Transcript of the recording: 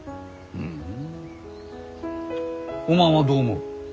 ふんおまんはどう思う？